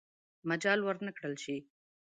مجال ورنه کړل شي.